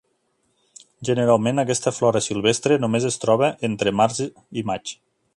Generalment aquesta flora silvestre només es troba entre març i maig.